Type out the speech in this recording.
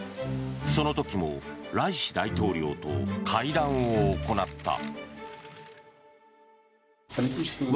その時もライシ大統領と会談を行った。